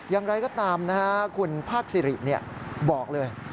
อย่างไรก็ตามนะฮะคุณภาคสิริบอกเลย